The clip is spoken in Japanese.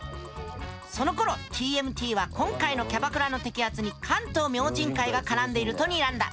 そのころＴＭＴは今回のキャバクラの摘発に関東明神会が絡んでいるとにらんだ。